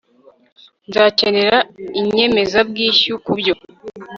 nzakenera inyemezabwishyu kubyo